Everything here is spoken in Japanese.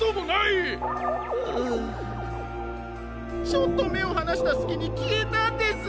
ちょっとめをはなしたすきにきえたんです。